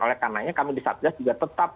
oleh karena itu kami di satgas juga tetap